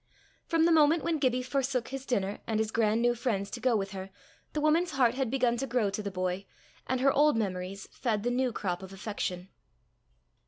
From the moment when Gibbie forsook his dinner and his grand new friends to go with her, the woman's heart had begun to grow to the boy, and her old memories fed the new crop of affection.